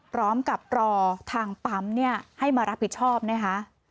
พร้อมกับรอทางปั๊มให้มารับผิดชอบนะคะ